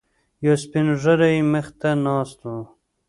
یو سپینږیری یې مخې ته ناست و.